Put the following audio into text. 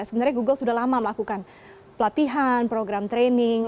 sebenarnya google sudah lama melakukan pelatihan program training